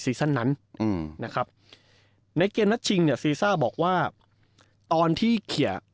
สั้นนั้นอืมนะครับในเกมนัดชิงเนี่ยซีซ่าบอกว่าตอนที่เคลียร์